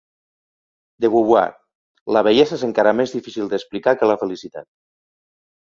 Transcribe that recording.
De Beauvoir: la bellesa és encara més difícil d'explicar que la felicitat.